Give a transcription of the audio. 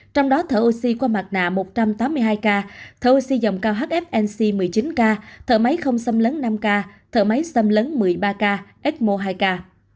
trong đó thở oxy qua mặt nạ một trăm tám mươi hai ca thở oxy dòng cao hfnc một mươi chín ca thở máy không xâm lấn năm ca thở máy xâm lấn một mươi ba ca ecmo hai ca